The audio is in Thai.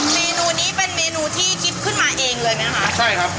เมนูนี้เป็นเมนูที่กิ๊บขึ้นมาเองเลยไหมคะใช่ครับ